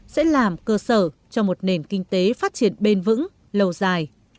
sẽ làm cơ sở cho một nền kinh tế phát triển bền vững lâu dài